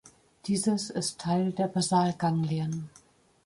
Dieses ist Teil der Basalganglien.